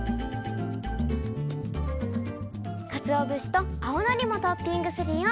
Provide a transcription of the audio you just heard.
かつおぶしと青のりもトッピングするよ。